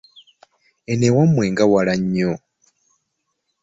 Eno ewamwe nga wala nnyo.